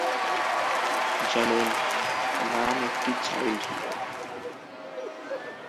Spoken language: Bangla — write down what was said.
যেমন, নাম একটি চাইল্ড নোড।